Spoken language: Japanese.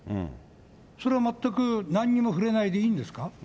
それは全くなんにも触れないでいいんですか。